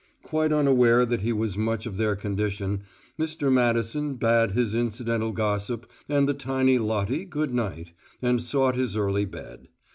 Quite unaware that he was much of their condition, Mr. Madison bade his incidental gossip and the tiny Lottie good night, and sought his early bed.